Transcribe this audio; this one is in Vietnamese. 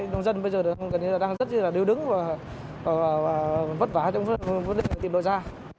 đồng dân bây giờ gần như là đang rất là đều đứng và vất vả trong việc tìm đổi ra